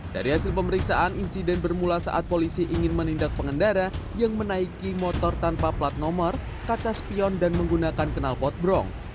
dari hasil pemeriksaan insiden bermula saat polisi ingin menindak pengendara yang menaiki motor tanpa plat nomor kaca spion dan menggunakan kenal potbrong